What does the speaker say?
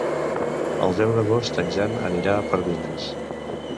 El deu d'agost en Jan anirà a Pardines.